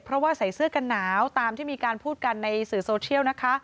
เพราะว่าใส่เสื้อกันหนาวตามที่มีการพูดกันในสื่อโซเชียลนะคะ